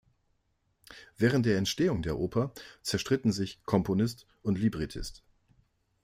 Während der Entstehung der Oper zerstritten sich Komponist und Librettist.